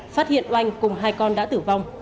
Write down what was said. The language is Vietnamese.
phát hiện oanh cùng hai con đã tử vong